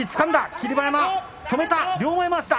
霧馬山、止めた。